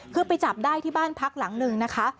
คือไปจับได้ที่บ้านพักหลังหนึ่งนะคะ